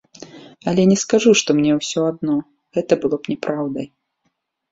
Але не скажу, што мне ўсё адно, гэта было б няпраўдай.